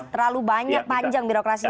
terlalu banyak panjang birokrasinya